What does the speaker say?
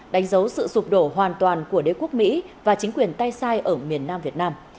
đánh dấu sự sụp đổ hoàn toàn của đế quốc mỹ và chính quyền tay sai ở miền nam việt nam